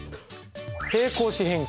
平行四辺形。